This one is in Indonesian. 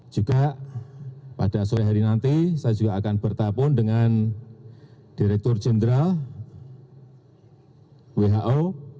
juga pada sore hari nanti saya juga akan bertelpon dengan direktur jenderal who